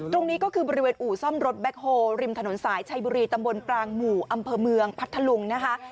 ตรงนี้ก็คือบริเวณอู่ซ่อมรถแบ็คโฮริมถนนสายชัยบุรีตำบลปรางหมู่อำเภอเมืองพัทธลุงนะคะ